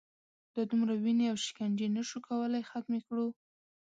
دا دومره وینې او شکنجې نه شو کولای ختمې کړو.